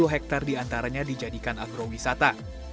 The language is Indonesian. empat puluh hektar diantaranya dijadikan agrowisata